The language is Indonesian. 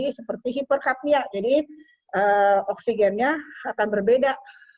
jadi seperti hiperkapnia jadi oksigennya akan berbeda